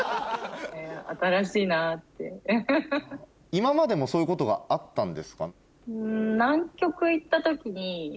今までもそういうことがあったんですか？